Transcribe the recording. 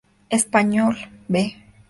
Español "B".